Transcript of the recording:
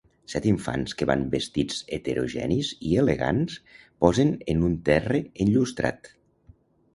Set infants que van vestits heterogenis i elegants posen en un terre enllustrat.